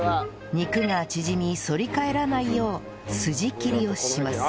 肉が縮み反り返らないよう筋切りをします